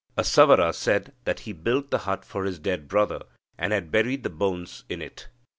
A Savara said that he built the hut for his dead brother, and had buried the bones in it.